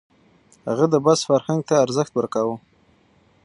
هغه د بحث فرهنګ ته ارزښت ورکاوه.